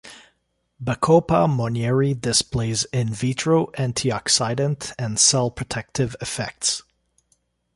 "Bacopa monnieri" displays "in vitro" antioxidant and cell-protective effects.